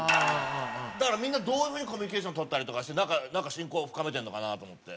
だからみんなどういう風にコミュニケーション取ったりとかして仲親交深めてるのかなと思って。